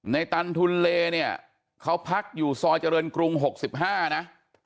ตันทุนเลเนี่ยเขาพักอยู่ซอยเจริญกรุง๖๕นะ